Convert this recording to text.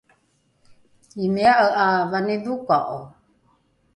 imia’e ’a vanidhoka’o?